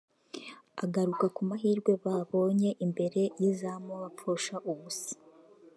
agaruka ku mahirwe babonye imbere y’izamu bapfusha ubusa